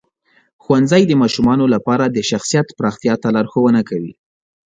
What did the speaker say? ښوونځی د ماشومانو لپاره د شخصیت پراختیا ته لارښوونه کوي.